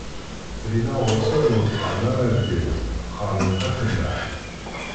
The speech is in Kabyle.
Dinna ɣer-sen ur qqaren ara argaz, qqaren afellaḥ.